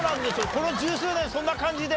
この十数年そんな感じで。